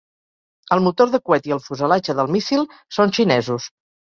El motor de coet i el fuselatge del míssil són xinesos.